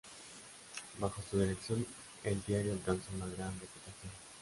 Bajo su dirección el diario alcanzó una gran reputación.